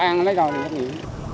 mấy tháng nào lấy gọi người xét nghiệm